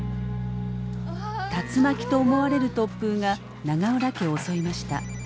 竜巻と思われる突風が永浦家を襲いました。